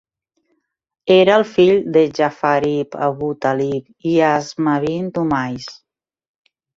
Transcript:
Era el fill de Ja'far ibn Abu Talib i Asma bint Umais.